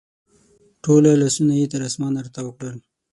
ټوله لاسونه یې تر اسمان راتاو کړل